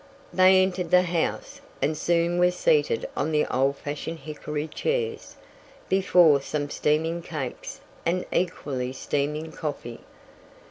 They entered the house, and soon were seated on the old fashioned hickory chairs, before some steaming cakes, and equally steaming coffee.